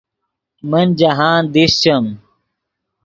من جاہند دیشچیم